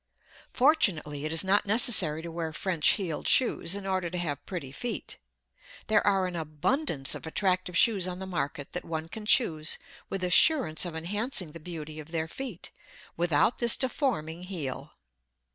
Fortunately, it is not necessary to wear French heeled shoes in order to have pretty feet. There are an abundance of attractive shoes on the market that one can choose with assurance of enhancing the beauty of their feet, without this deforming heel.